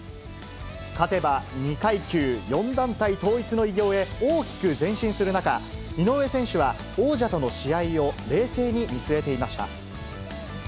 勝てば２階級４団体統一の偉業へ大きく前進する中、井上選手は王者との試合を冷静に見据えていました。